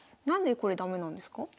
何でこれ駄目なんですか？